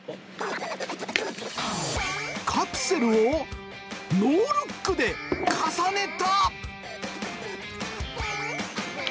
カプセルをノールックで重ねた。